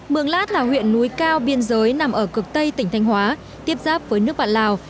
mường lát là huyện núi cao biên giới nằm ở cực tây tỉnh thanh hóa tiếp giáp với nước bạn lào